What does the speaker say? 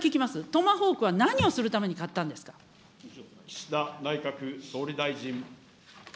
トマホークは何をするために買っ岸田内閣総理大臣。